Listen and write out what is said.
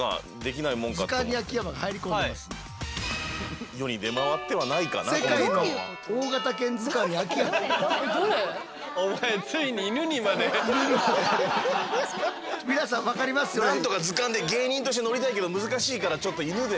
なんとか図鑑で芸人として載りたいけど難しいからちょっと犬で。